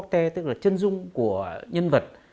tức là chân dung của nhân vật